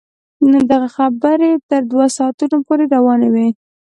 دغه خبرې تر دوه ساعتونو پورې روانې وې.